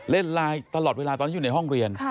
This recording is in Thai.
เล่นไลน์ตลอดเวลาตอนที่อยู่ในห้องเรียน